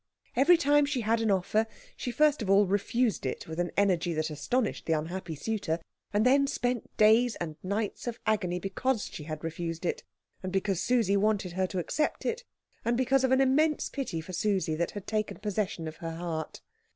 Every time she had an offer, she first of all refused it with an energy that astonished the unhappy suitor, and then spent days and nights of agony because she had refused it, and because Susie wanted her to accept it, and because of an immense pity for Susie that had taken possession of her heart.